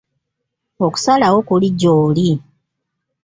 Okusalawo kuli gy'oli.